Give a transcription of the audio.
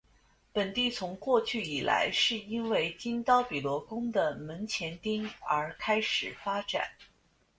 本地从过去以来是因为金刀比罗宫的门前町而开始发展。